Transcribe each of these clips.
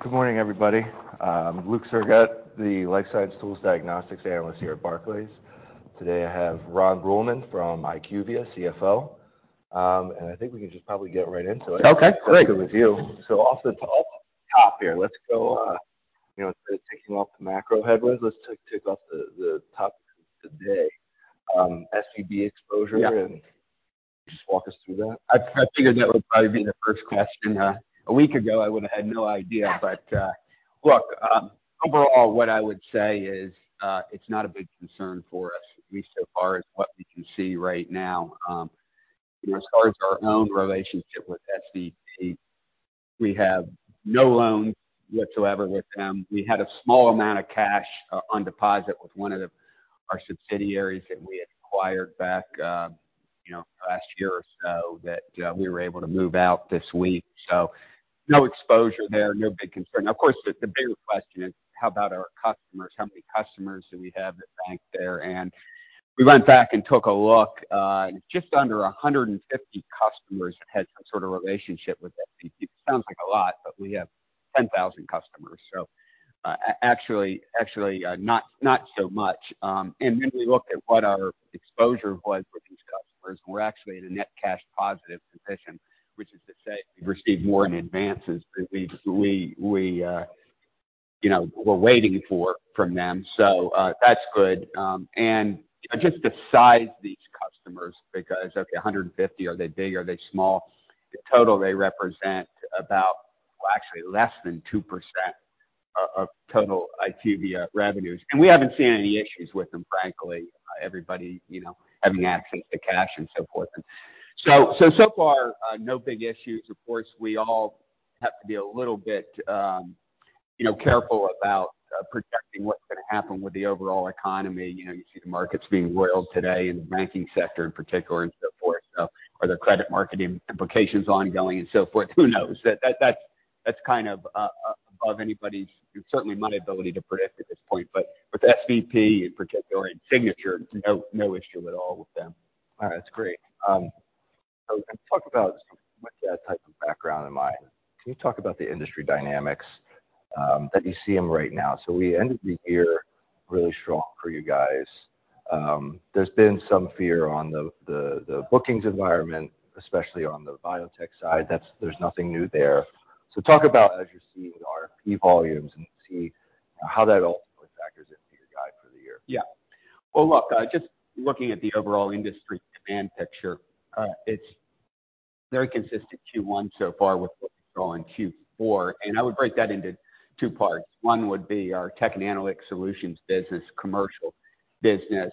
Good morning, everybody. Luke Sergott, the Life Science Tools Diagnostics Analyst here at Barclays. Today, I have Ron Bruehlman from IQVIA, CFO. I think we can just probably get right into it. Okay, great. If that's okay with you. Off the top here, let's go, you know, instead of ticking off the macro headwinds, let's tick off the topics of today. SVB exposure. Yeah... and just walk us through that. I figured that would probably be the first question. A week ago, I would've had no idea. Look, overall, what I would say is, it's not a big concern for us, at least so far as what we can see right now. You know, as far as our own relationship with SVB, we have no loans whatsoever with them. We had a small amount of cash on deposit with our subsidiaries that we acquired back, you know, last year or so that we were able to move out this week. No exposure there. No big concern. Of course, the bigger question is, how about our customers? How many customers do we have that bank there? We went back and took a look, and just under 150 customers had some sort of relationship with SVB. It sounds like a lot, we have 10,000 customers. Actually, not so much. Then we looked at what our exposure was for these customers. We're actually at a net cash positive position, which is to say we've received more in advances than we, you know, we're waiting for from them. That's good. Just the size of these customers because, okay, 150, are they big, are they small? In total they represent about, well, actually less than 2% of total IQVIA revenues. We haven't seen any issues with them, frankly, everybody, you know, having access to cash and so forth. So far, no big issues. Of course, we all have to be a little bit, you know, careful about projecting what's gonna happen with the overall economy. You know, you see the markets being roiled today in the banking sector in particular and so forth. Are there credit marketing implications ongoing and so forth? Who knows? That's kind of above anybody's, and certainly my ability to predict at this point. With SVB in particular and Signature Bank, no issue at all with them. All right. That's great. Can you talk about with that type of background in mind, can you talk about the industry dynamics that you're seeing right now? We ended the year really strong for you guys. There's been some fear on the bookings environment, especially on the biotech side. There's nothing new there. Talk about as you're seeing RFP volumes and see how that ultimately factors into your guide for the year. Yeah. Well, look, just looking at the overall industry demand picture, it's very consistent Q1 so far with what we saw in Q4, and I would break that into two parts. One would be our Tech and Analytics Solutions business, Commercial business.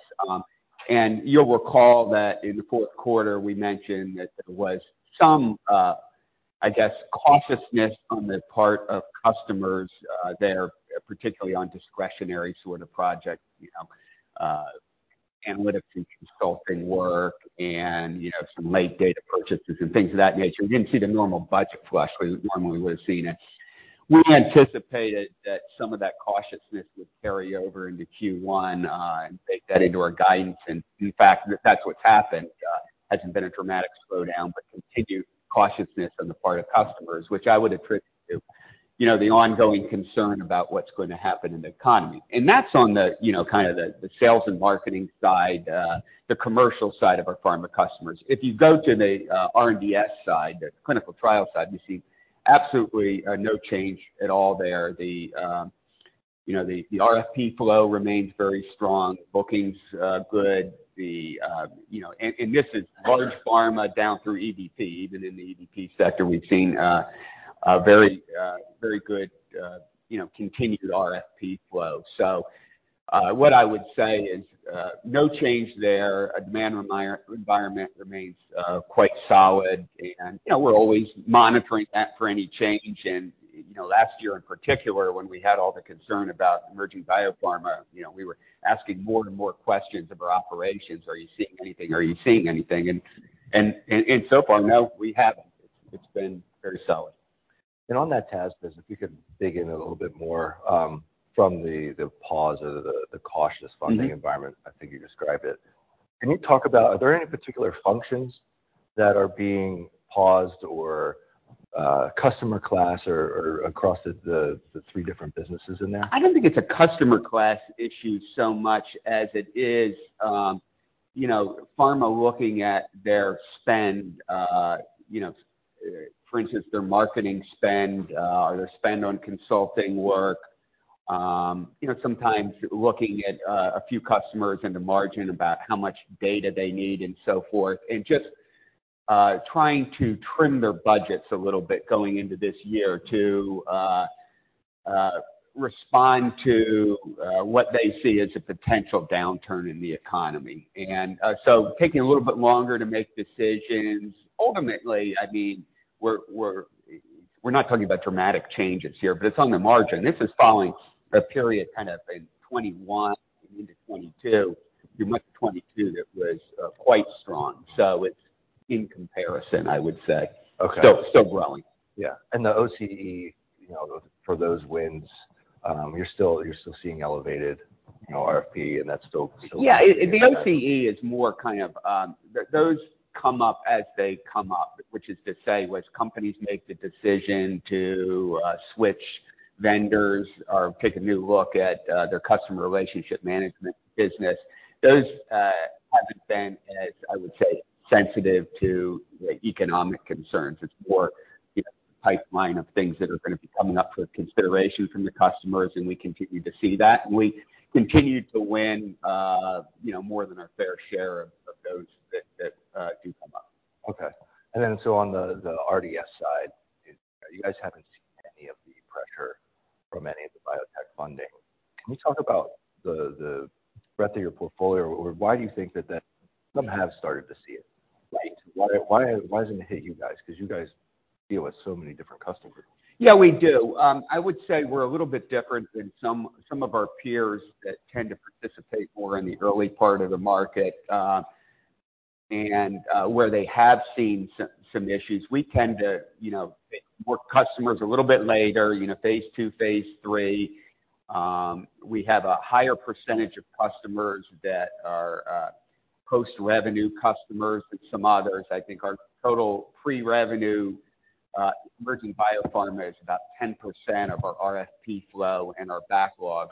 You'll recall that in the fourth quarter, we mentioned that there was some, I guess, cautiousness on the part of customers, there, particularly on discretionary sort of projects, you know, analytics and consulting work and, you know, some late data purchases and things of that nature. We didn't see the normal budget flush where normally we would have seen it. We anticipated that some of that cautiousness would carry over into Q1, and baked that into our guidance. In fact, that's what's happened. Hasn't been a dramatic slowdown, but continued cautiousness on the part of customers, which I would attribute to, you know, the ongoing concern about what's going to happen in the economy. That's on the, you know, kind of the sales and marketing side, the commercial side of our pharma customers. If you go to the R&DS side, the clinical trial side, you see absolutely no change at all there. The, you know, the RFP flow remains very strong. Bookings, good. The, you know, this is large pharma down through EBP. Even in the EBP sector, we've seen a very, very good, you know, continued RFP flow. What I would say is no change there. Demand environment remains quite solid, and, you know, we're always monitoring that for any change. you know, last year in particular, when we had all the concern about Emerging Biopharma, you know, we were asking more and more questions of our operations. Are you seeing anything? Are you seeing anything? so far, no, we haven't. It's been very solid. On that task, if you could dig in a little bit more, from the pause or the cautious funding environment, I think you described it. Can you talk about are there any particular functions that are being paused or, customer class or across the three different businesses in there? I don't think it's a customer class issue so much as it is, you know, pharma looking at their spend, you know, for instance, their marketing spend, or their spend on consulting work. You know, sometimes looking at a few customers in the margin about how much data they need and so forth, and just trying to trim their budgets a little bit going into this year to respond to what they see as a potential downturn in the economy. Taking a little bit longer to make decisions. Ultimately, I mean, we're not talking about dramatic changes here, but it's on the margin. This is following a period kind of in 2021 into 2022, through much of 2022 that was quite strong. It's in comparison, I would say. Okay. Still growing. Yeah. The OCE, you know, for those wins, you're still seeing elevated. You know, RFP and that's still. Yeah, the OCE is more kind of, those come up as they come up, which is to say, which companies make the decision to switch vendors or take a new look at their Customer Relationship Management business. Those haven't been as, I would say, sensitive to the economic concerns. It's more, you know, pipeline of things that are gonna be coming up for consideration from the customers, we continue to see that. We continue to win, you know, more than our fair share of those that do come up. Okay. On the R&DS side, you guys haven't seen any of the pressure from any of the biotech funding. Can you talk about the breadth of your portfolio, or why do you think that some have started to see it? Right. Why hasn't it hit you guys? 'Cause you guys deal with so many different customers. Yeah, we do. I would say we're a little bit different than some of our peers that tend to participate more in the early part of the market, and where they have seen some issues. We tend to, you know, work customers a little bit later, you know, phase II, phase III. We have a higher percentage of customers that are post-revenue customers than some others. I think our total pre-revenue Emerging Biopharma is about 10% of our RFP flow and our backlog.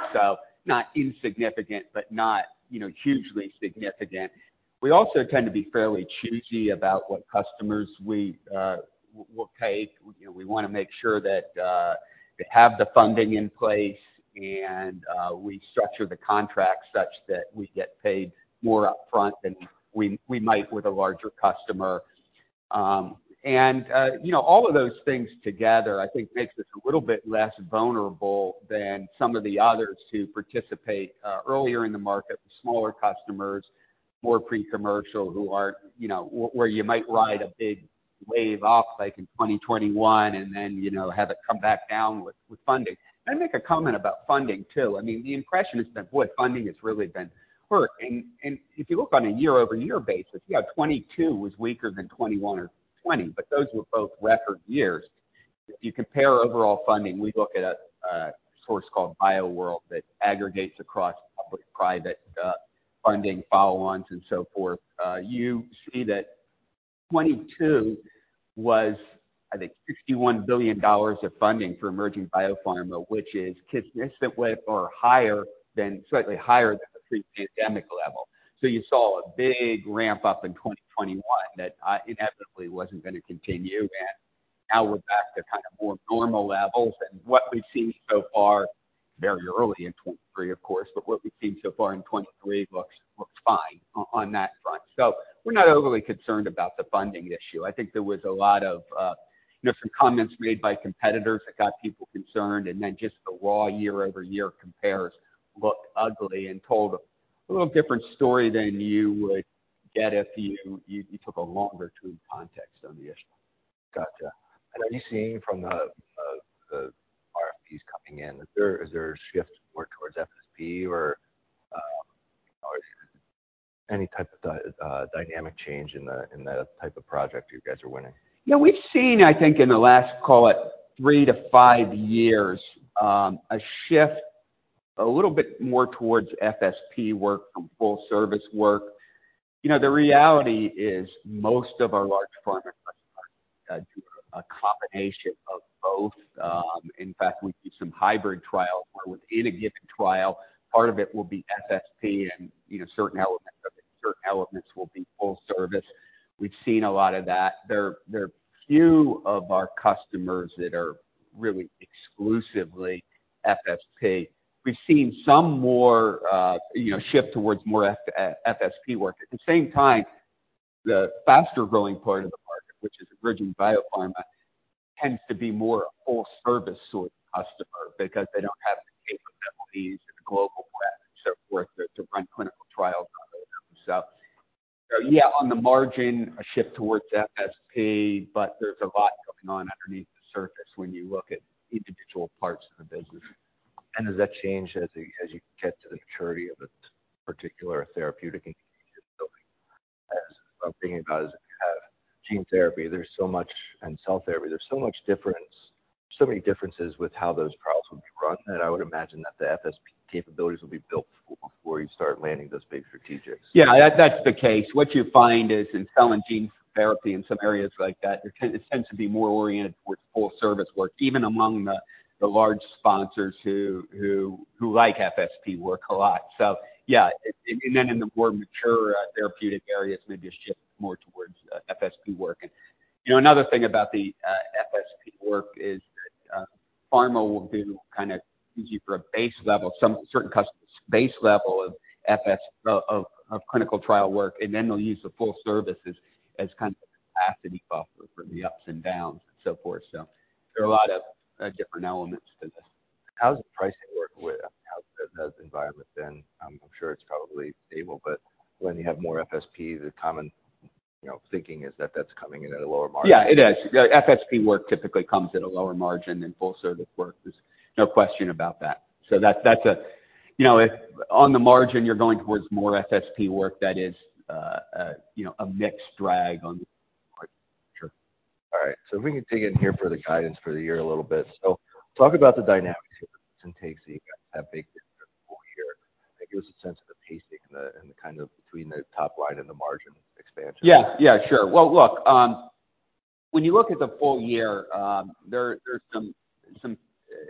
Not insignificant, but not, you know, hugely significant. We also tend to be fairly choosy about what customers we will take. You know, we wanna make sure that they have the funding in place and we structure the contract such that we get paid more upfront than we might with a larger customer. All of those things together I think makes us a little bit less vulnerable than some of the others who participate earlier in the market with smaller customers, more pre-commercial, where you might ride a big wave up like in 2021 and then have it come back down with funding. I'd make a comment about funding too. I mean, the impression has been, boy, funding has really been hurt. If you look on a year-over-year basis, yeah, 2022 was weaker than 2021 or 2020, but those were both record years. If you compare overall funding, we look at a source called BioWorld that aggregates across public, private funding, follow-ons and so forth. You see that 2022 was, I think, $61 billion of funding for Emerging Biopharma, which is consistent with or higher than, slightly higher than the pre-pandemic level. You saw a big ramp-up in 2021 that inevitably wasn't gonna continue, and now we're back to kind of more normal levels. What we've seen so far, very early in 2023 of course, but what we've seen so far in 2023 looks fine on that front. We're not overly concerned about the funding issue. I think there was a lot of, you know, some comments made by competitors that got people concerned, and then just the raw year-over-year compares looked ugly and told a little different story than you would get if you took a longer-term context on the issue. Gotcha. Are you seeing from the RFPs coming in, is there a shift more towards FSP or any type of dynamic change in the type of project you guys are winning? Yeah. We've seen, I think, in the last, call it 3 years-5 years, a shift a little bit more towards FSP work from full service work. You know, the reality is most of our large pharma customers do a combination of both. In fact, we do some hybrid trials where within a given trial, part of it will be FSP and, you know, certain elements of it, certain elements will be full service. We've seen a lot of that. There are few of our customers that are really exclusively FSP. We've seen some more, you know, shift towards more FSP work. At the same time, the faster-growing part of the market, which is Emerging Biopharma, tends to be more a full service sort of customer because they don't have the case of employees and the global breadth, so forth, to run clinical trials on their own. Yeah, on the margin, a shift towards FSP, but there's a lot going on underneath the surface when you look at individual parts of the business. Does that change as you get to the maturity of a particular therapeutic indication building? As I'm thinking about is if you have gene therapy, there's so much, and cell therapy, there's so much difference, so many differences with how those trials would be run that I would imagine that the FSP capabilities would be built before you start landing those big strategics. Yeah. That's the case. What you find is in cell and gene therapy in some areas like that, it tends to be more oriented towards full service work, even among the large sponsors who like FSP work a lot. Yeah. And then in the more mature therapeutic areas, maybe a shift more towards FSP work. You know, another thing about the FSP work is that pharma will do kinda use you for a base level, some certain customers, base level of clinical trial work, and then they'll use the full services as kind of a capacity buffer for the ups and downs and so forth. There are a lot of different elements to this. How's the pricing work? How's the environment been? I'm sure it's probably stable, but when you have more FSP, the common, you know, thinking is that that's coming in at a lower margin. Yeah, it is. FSP work typically comes at a lower margin than full service work. There's no question about that. That's. You know, if on the margin you're going towards more FSP work, that is a, you know, a mixed drag on the margin. If we can dig in here for the guidance for the year a little bit. Talk about the dynamics here between you've got that big full year. Give us a sense of the pacing and the, kind of between the top line and the margin expansion. Yeah. Yeah, sure. Well, look, when you look at the full year, there's some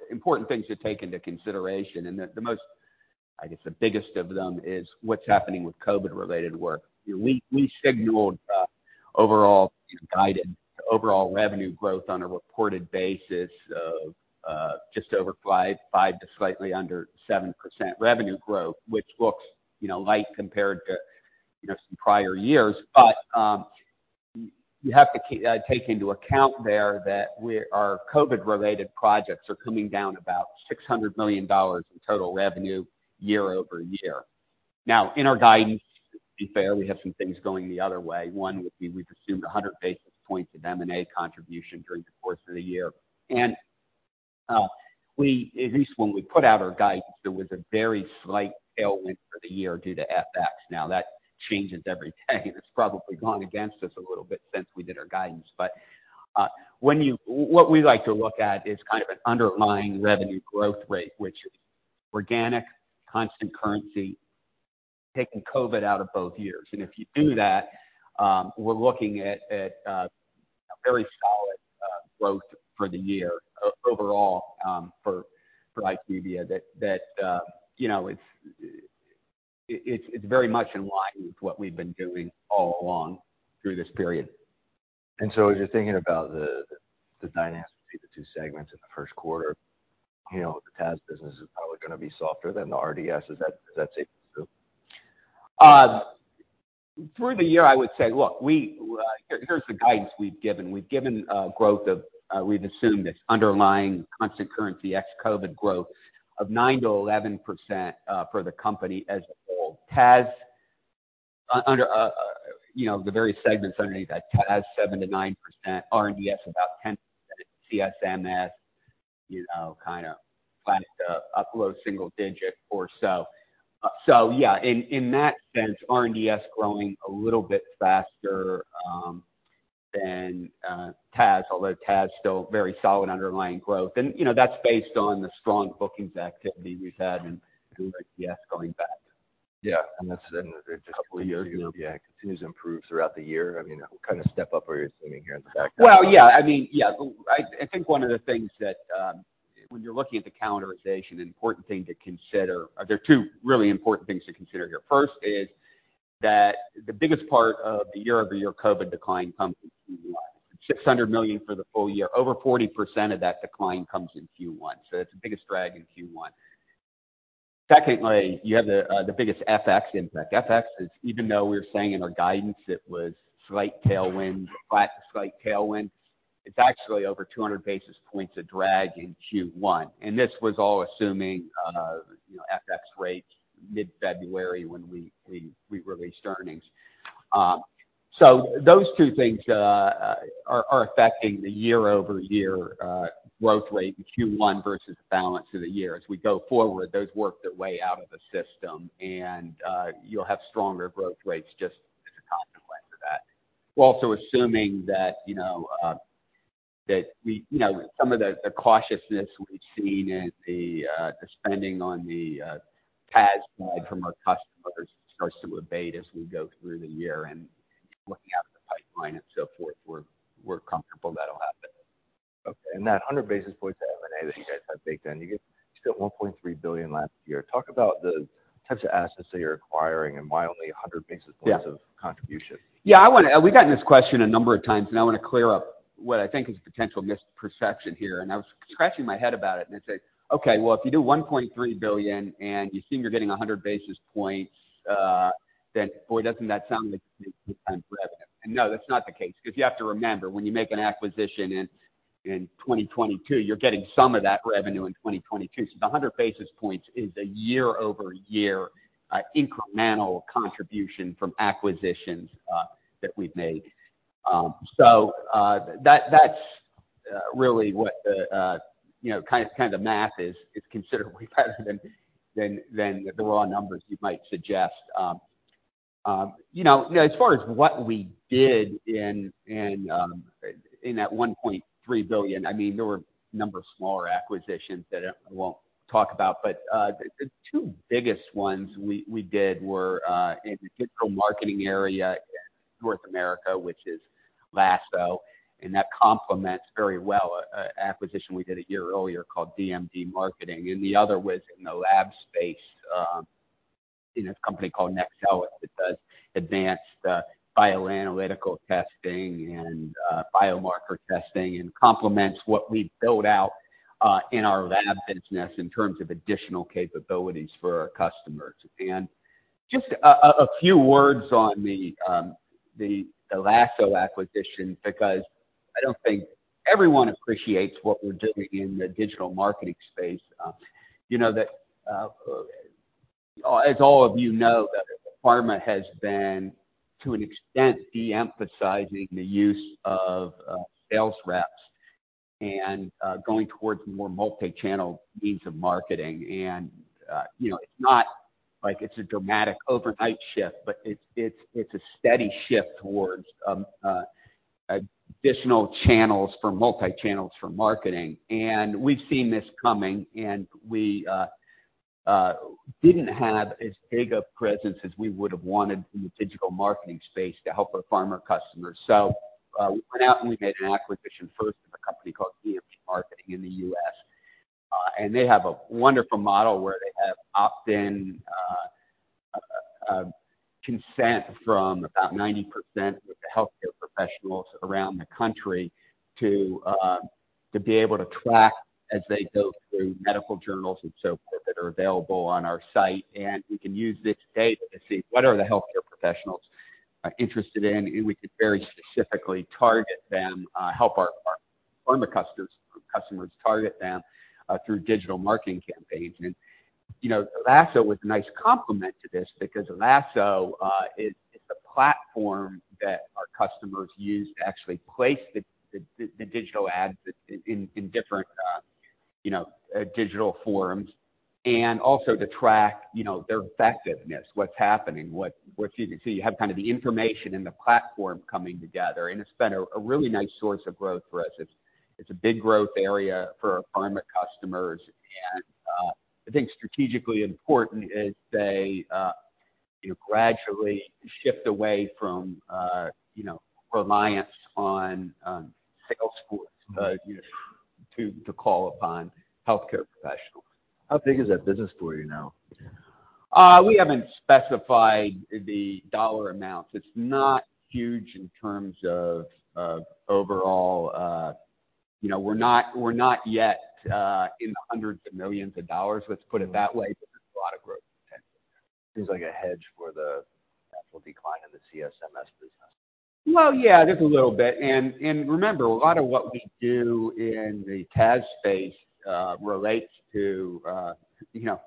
important things to take into consideration. The, the most, I guess the biggest of them is what's happening with COVID-related work. We signaled overall guidance, overall revenue growth on a reported basis of just over 5% to slightly under 7% revenue growth, which looks, you know, light compared to, you know, some prior years. You have to take into account there that our COVID-related projects are coming down about $600 million in total revenue year-over-year. In our guidance, to be fair, we have some things going the other way. One would be we've assumed 100 basis points of M&A contribution during the course of the year. At least when we put out our guidance, there was a very slight tailwind for the year due to FX. Now that changes every day, and it's probably gone against us a little bit since we did our guidance. What we like to look at is kind of an underlying revenue growth rate, which is organic, constant currency, taking COVID out of both years. If you do that, we're looking at, a very solid, overall growth for the year for IQVIA that, you know, it's very much in line with what we've been doing all along through this period. As you're thinking about the dynamics between the two segments in the first quarter, you know, the TAS business is probably gonna be softer than the R&DS. Is that, is that safe to assume? through the year, I would say, look, here's the guidance we've given. We've given growth of we've assumed this underlying constant currency ex-COVID growth of 9%-11% for the company as a whole. TAS under, you know, the very segments underneath that, TAS 7%-9%, R&DS about 10%, CSMS, you know, kinda flat to up low single digit or so. Yeah, in that sense, R&DS growing a little bit faster than TAS, although TAS still very solid underlying growth. You know, that's based on the strong bookings activity we've had in R&DS going back. Yeah. That's then just a couple of years, yeah, continues to improve throughout the year. I mean, what kind of step up are you assuming here in the back half? Well, yeah. I mean, yeah. I think one of the things that, when you're looking at the calendarization, an important thing to consider. There are two really important things to consider here. First is that the biggest part of the year-over-year COVID decline comes in Q1. $600 million for the full year. Over 40% of that decline comes in Q1, so that's the biggest drag in Q1. Secondly, you have the biggest FX impact. FX is even though we were saying in our guidance it was slight tailwind, slight tailwind, it's actually over 200 basis points of drag in Q1. This was all assuming, you know, FX rates mid-February when we released earnings. Those two things are affecting the year-over-year growth rate in Q1 versus the balance of the year. As we go forward, those work their way out of the system and you'll have stronger growth rates just as a consequence of that. We're also assuming that, you know, some of the cautiousness we've seen in the spending on the TAS side from our customers starts to abate as we go through the year and looking out at the pipeline and so forth. We're comfortable that'll happen. Okay. That 100 basis points of M&A that you guys have baked in, you spent $1.3 billion last year. Talk about the types of assets that you're acquiring and why only 100 basis points... Yeah. -of contribution. Yeah, I wanna clear up what I think is a potential misperception here. I was scratching my head about it, and I'd say, "Okay, well, if you do $1.3 billion and you assume you're getting 100 basis points, boy, doesn't that sound like good times for revenue?" No, that's not the case because you have to remember, when you make an acquisition in 2022, you're getting some of that revenue in 2022. The 100 basis points is a year-over-year incremental contribution from acquisitions that we've made. That's really what the, you know, kind of the math is. It's considerably better than the raw numbers you might suggest. you know, as far as what we did in that $1.3 billion, I mean, there were a number of smaller acquisitions that I won't talk about, but the two biggest ones we did were in the digital marketing area in North America, which is Lasso, and that complements very well acquisition we did a year earlier called DMD Marketing. The other was in the lab space, in a company called that does advanced bioanalytical testing and biomarker testing and complements what we've built out in our lab business in terms of additional capabilities for our customers. Just a few words on the Lasso acquisition because I don't think everyone appreciates what we're doing in the digital marketing space. as all of you know that pharma has been to an extent de-emphasizing the use of sales reps and going towards more multi-channel means of marketing. You know, it's not like it's a dramatic overnight shift, but it's a steady shift towards additional channels for multi-channels for marketing. We've seen this coming, and we didn't have as big a presence as we would have wanted in the digital marketing space to help our pharma customers. We went out and we made an acquisition first of a company called DMD Marketing in the U.S. They have a wonderful model where they have opt-in consent from about 90% of the healthcare professionals around the country to be able to track as they go through medical journals and so forth that are available on our site. We can use this data to see what are the healthcare professionals interested in, and we could very specifically target them, help our pharma customers target them through digital marketing campaigns. You know, Lasso was a nice complement to this because Lasso is a platform that our customers use to actually place the digital ads in different, you know, digital forums, and also to track, you know, their effectiveness, what's happening, what you can see. You have kind of the information and the platform coming together, and it's been a really nice source of growth for us. It's a big growth area for our pharma customers. I think strategically important as they, you know, gradually shift away from, you know, reliance on sales force, you know, to call upon healthcare professionals. How big is that business for you now? We haven't specified the dollar amounts. It's not huge in terms of, overall, you know, we're not yet, in the hundreds of millions of dollars, let's put it that way. There's a lot of growth potential there. It's like a hedge for the natural decline in the CSMS business. Well, yeah, just a little bit. Remember, a lot of what we do in the TAS space relates to, you know,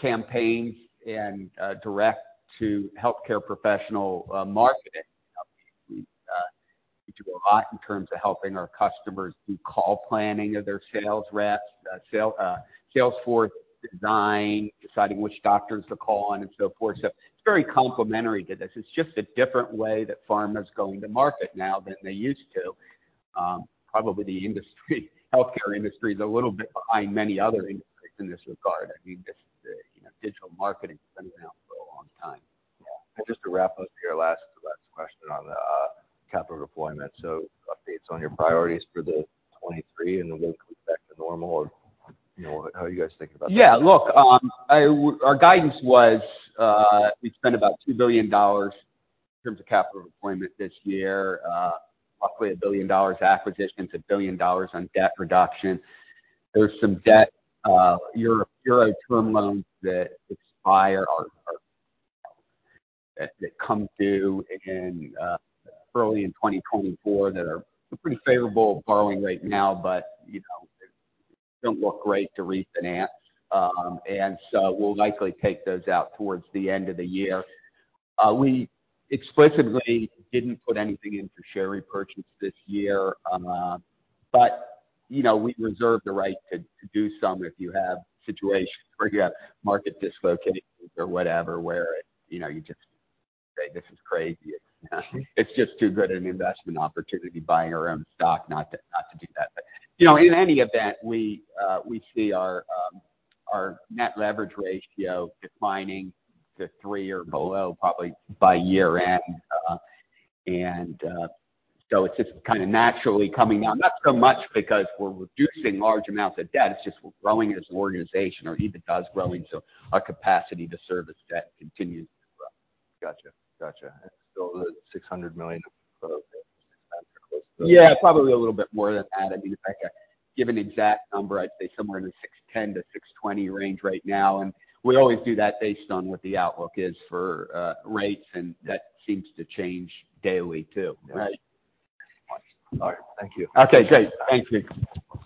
campaigns and direct-to-healthcare professional marketing. We do a lot in terms of helping our customers do call planning of their sales reps, sales force design, deciding which doctors to call on and so forth. It's very complementary to this. It's just a different way that pharma's going to market now than they used to. Probably the industry, healthcare industry is a little bit behind many other industries in this regard. I mean, this is the you know, digital marketing been around for a long time. Yeah. Just to wrap up your last question on the capital deployment. Updates on your priorities for the 2023 and then we'll come back to normal or, you know, how are you guys thinking about that? Yeah. Look, our guidance was, we'd spend about $2 billion in terms of capital deployment this year, roughly $1 billion acquisitions, $1 billion on debt reduction. There's some debt, Euro term loans that expire or that come due in early in 2024 that are a pretty favorable borrowing rate now, but, you know, they don't look great to refinance. We'll likely take those out towards the end of the year. We explicitly didn't put anything in for share repurchase this year. You know, we reserve the right to do some if you have situations where you have market dislocations or whatever, where, you know, you just say, "This is crazy." You know? It's just too good an investment opportunity buying our own stock not to, not to do that. You know, in any event, we see our net leverage ratio declining to 3 or below probably by year-end. It's just kinda naturally coming down. Not so much because we're reducing large amounts of debt, it's just we're growing as an organization, our EBITDA is growing, so our capacity to service debt continues to grow. Gotcha. Gotcha. Still the $600 million of Yeah. Probably a little bit more than that. I mean, if I could give an exact number, I'd say somewhere in the 610-620 range right now. We always do that based on what the outlook is for rates, and that seems to change daily too, right? All right. Thank you. Okay, great. Thank you.